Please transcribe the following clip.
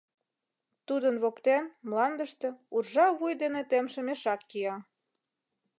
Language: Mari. Тудын воктен, мландыште, уржа вуй дене темше мешак кия.